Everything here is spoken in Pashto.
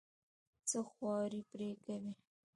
څه خواري پرې کوې.